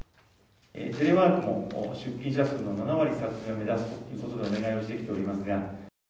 テレワークも出勤者数の７割削減を目指すということでお願いをしてきておりますが。